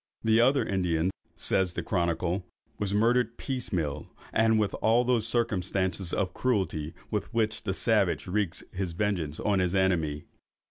"The other Indian," says the chronicle, "was murdered piecemeal, and with all those circumstances of cruelty with which the savage wreaks his vengeance on his enemy."